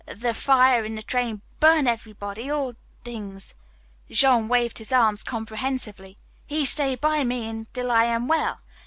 The fire in the train burn everybody, all t'ings." Jean waved his arms comprehensively. "He stay by me until I am well.